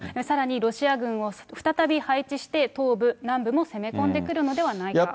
さらにロシア軍を再び配置して、東部、南部も攻め込んでくるのではないか。